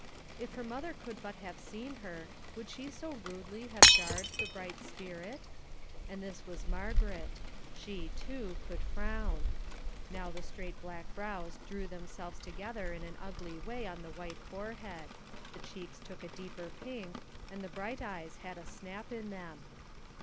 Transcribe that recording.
If her mother could but have seen her, would she so rudely have jarred the bright spirit? And this was Margaret. She, too, could frown; now the straight black brows drew themselves together in an ugly way on the white forehead, the cheeks took a deeper pink, and the bright eyes had a snap in them.